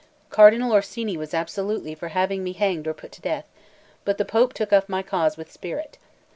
Cardinal Orsini was absolutely for having me hanged or put to death; but the Pope took up my cause with spirit.